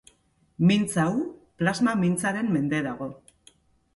Mintz hau, plasma mintzaren mende dago.